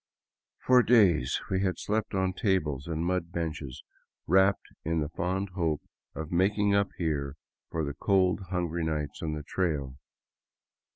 For days we had slept on tables and mud benches, wrapped in the fond hope of making up here for the cold, hungry nights on the trail.